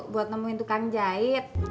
buat nemuin tukang jahit